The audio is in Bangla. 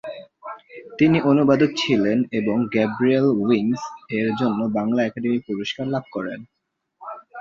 তিনি অনুবাদক ছিলেন এবং "গ্যাব্রিয়েল উইংস" এর জন্য বাংলা একাডেমি পুরস্কার লাভ করেন।